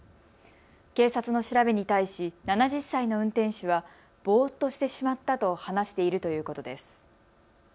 警察の調べに対し７０歳の運転手はぼーっとしてしまったと話しているということです。